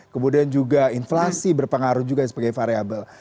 kemudian juga inflasi berpengaruh juga sebagai variable